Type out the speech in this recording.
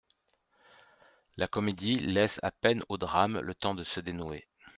La comédie laisse à peine au drame le temps de se dénouer.